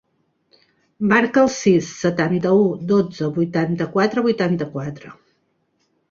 Marca el sis, setanta-u, dotze, vuitanta-quatre, vuitanta-quatre.